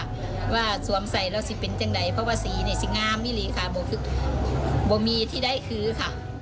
เพราะว่าสวมใส่แล้วสิเป็นจังไหนเพราะว่าสีเนี่ยสิงงามนี่เลยค่ะบ่มีที่ได้คือค่ะ